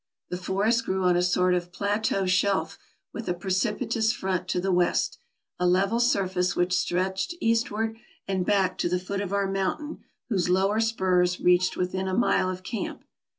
The forest grew on a sort of plateau shelf with a precipitous front to the west — a level surface which stretched eastward and back to the foot of our mountain whose lower spurs reached within a mile of camp.